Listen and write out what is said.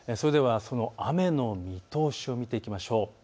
雨の見通しを見ていきましょう。